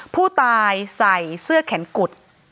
ผู้ตายใส่เสื้อแขนกุด